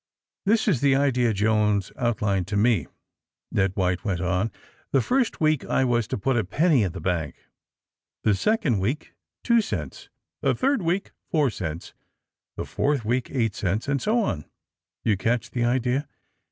*^This was the idea Jones outlined to me," Ned White went on. '^^The first week I was to put a penny in the bank, the second week two cents, the third week four cents, the fourth, week eight cents, and so on. Do you catch the idea?